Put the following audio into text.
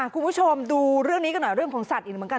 คุณผู้ชมดูเรื่องนี้กันหน่อยเรื่องของสัตว์อีกเหมือนกัน